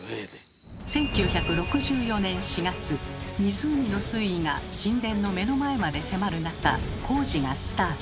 １９６４年４月湖の水位が神殿の目の前まで迫る中工事がスタート。